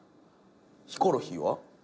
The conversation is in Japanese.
ヒコロヒーは？